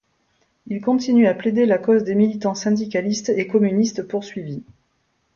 Il continue à plaider la cause des militants syndicalistes et communistes poursuivis.